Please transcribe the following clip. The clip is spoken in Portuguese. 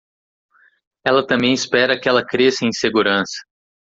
Ela também espera que ela cresça em segurança.